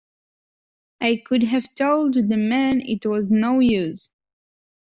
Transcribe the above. I could have told the man it was no use.